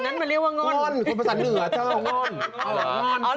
ง่อนคนภาษาเหนือเจ้าง่อน